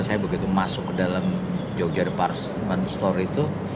saya begitu masuk ke dalam jogja department store itu